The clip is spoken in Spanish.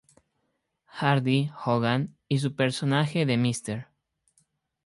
Hardy, Hogan y su personaje de Mr.